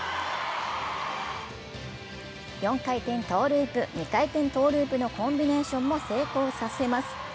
４回転トゥループ、２回転トゥループのコンビネーションも成功させます。